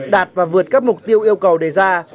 đạt và vượt các mục tiêu yêu cầu đề ra